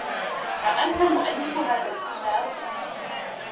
أأنت مؤلف هذا الكتاب ؟